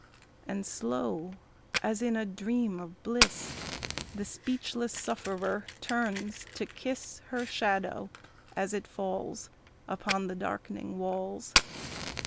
And slow, as in a dream of bliss, The speechless sufferer turns to kiss Her shadow, as it falls Upon the darkening walls.